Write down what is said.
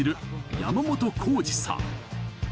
山本耕史さん